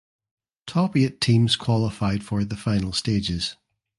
Top eight teams qualified for the final stages.